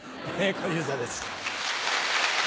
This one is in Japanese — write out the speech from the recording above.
小遊三です。